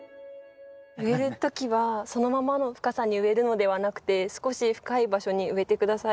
植える時はそのままの深さに植えるのではなくて少し深い場所に植えて下さい。